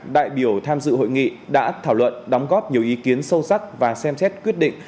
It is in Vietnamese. đại biểu tham dự hội nghị đã thảo luận đóng góp nhiều ý kiến sâu sắc và xem xét quyết định